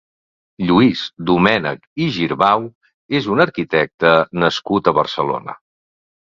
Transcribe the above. Lluís Domènech i Girbau és un arquitecte nascut a Barcelona.